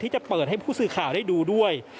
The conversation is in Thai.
จะเปิดให้ผู้สื่อข่าวได้ดูด้วย